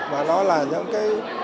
mà nó là những cái